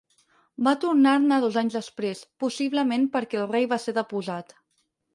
Va tornar-ne dos anys després, possiblement perquè el rei va ser deposat.